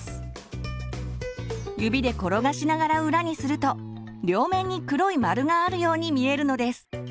指で転がしながら裏にすると両面に黒い丸があるように見えるのです。